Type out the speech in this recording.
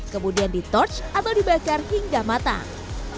kemudian di touch atau dibakar hingga matang